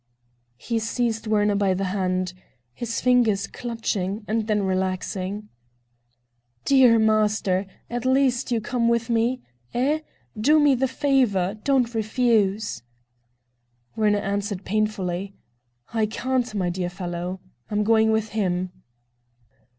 He seized Werner by the hand, his fingers clutching and then relaxing. "Dear master, at least you come with me? Eh? Do me the favor? Don't refuse." Werner answered painfully: "I can't, my dear fellow. I am going with him."